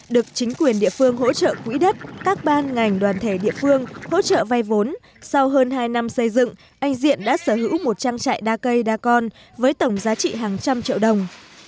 được chính quyền địa phương hỗ trợ quỹ đất các ban ngành đoàn thể địa phương hỗ trợ vay vốn sau hơn hai năm xây dựng anh diện đã sở hữu một trang trại đa cây đa con với tổng giá trị hàng trăm triệu đồng